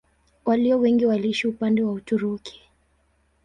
Walio wengi waliishi upande wa Uturuki.